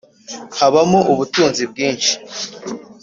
Habamo ubutunzi bwinshi